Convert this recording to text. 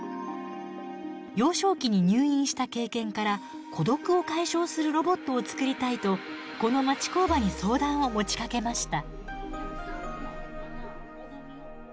幼少期に入院した経験から孤独を解消するロボットを作りたいとこの町工場に相談を持ちかけました。